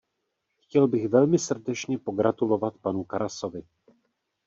Chtěl bych velmi srdečně pogratulovat panu Karasovi.